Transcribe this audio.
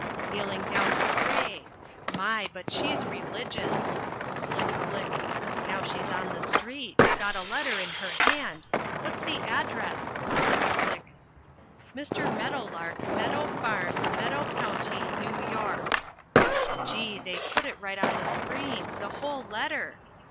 Kneeling down to pray my! but she's religious flick, flick now she's on the street got a letter in her hand what's the address Flick, flick! Mr. Meadowlark Meadow Farm Meadow County New York Gee! They've put it right on the screen! The whole letter!